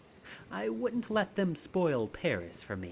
I wouldn't let them spoil Paris for me.